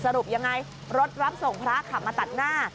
สรุปยังไงรถรับส่งพระขับมาตัดหน้า